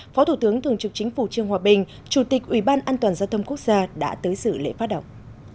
phó thủ tướng thường trực chính phủ trương hòa bình chủ tịch ủy ban an toàn giao thông quốc gia đã tới sự lễ phát động